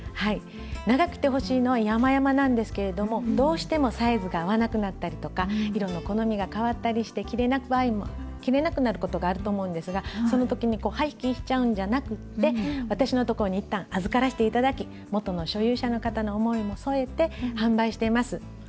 長く着てほしいのはやまやまなんですけれどもどうしてもサイズが合わなくなったりとか色の好みがかわったりして着れなくなることがあると思うんですがその時に廃棄しちゃうんじゃなくって私のところに一旦預からして頂き元の所有者の方の思いも添えて販売してます。